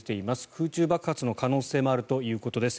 空中爆発の可能性もあるということです。